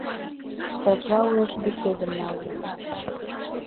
Раджа уэш бетельым нале.